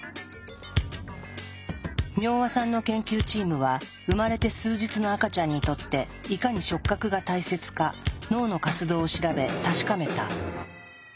明和さんの研究チームは生まれて数日の赤ちゃんにとっていかに触覚が大切か脳の活動を調べ確かめた。